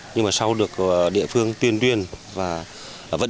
nhưng mà sau được địa phương tuyên tuyên và vận diện